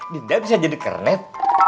dinda bisa jadi kernet